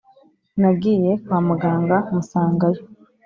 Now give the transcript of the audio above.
Nagiye kwa muganga musangayo